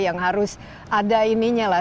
yang harus ada ininya lah